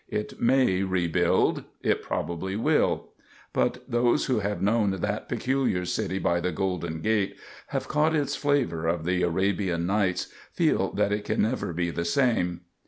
It may rebuild; it probably will; but those who have known that peculiar city by the Golden Gate, have caught its flavor of the Arabian Nights, feel that it can never be the same.